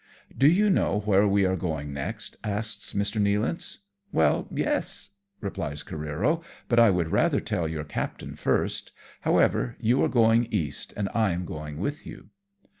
" Do you know where we are going next ?" asks Mr. Nealance. " Well, yes," replies Careero, " but I would rather tell your captain first ; however, you are going East, and I am going with you."